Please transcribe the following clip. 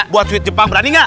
buat sweet jepang berani nggak